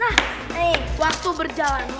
nah waktu berjalan